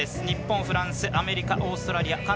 日本、フランス、アメリカオーストラリア